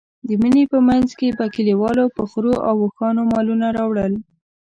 د مني په منځ کې به کلیوالو په خرو او اوښانو مالونه راوړل.